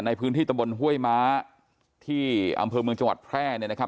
ในพื้นที่ตำบลห้วยม้าที่อำเภอเมืองจังหวัดแพร่เนี่ยนะครับ